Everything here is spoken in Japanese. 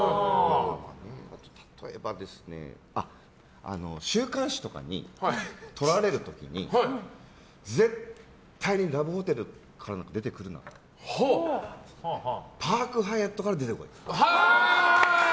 例えば、週刊誌とかに撮られる時に絶対にラブホテルからは出てくるなと。パークハイアットから出て来いと。